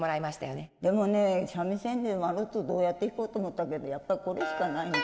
でもね三味線でワルツどうやって弾こうと思ったけれどやっぱりこれしかないの。